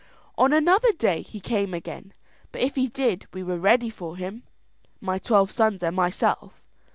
"On another day he came again; but if he did, we were ready for him, my twelve sons and myself.